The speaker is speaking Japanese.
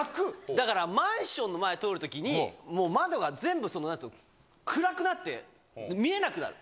だからマンションの前を通るときに、もう窓が全部その、暗くなって見えなくなる。